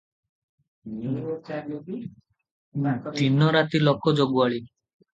ଦିନ ରାତି ଲୋକ ଜଗୁଆଳି ।